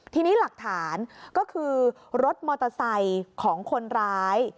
ทีนี้หลักฐานก็คือรถมอเตอร์ไซค์ของคนร้าย